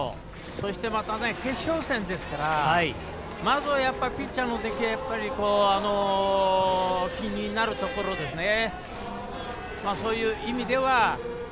そして、また決勝戦ですからまずはピッチャーの出来が気になるところですね。